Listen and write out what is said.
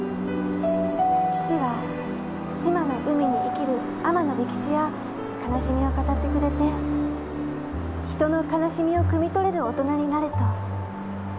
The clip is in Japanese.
父は志摩の海に生きる海女の歴史や悲しみを語ってくれて人の悲しみをくみ取れる大人になれと。